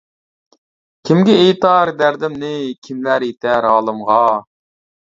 كىمگە ئېيتار دەردىمنى، كىملەر يېتەر ھالىمغا.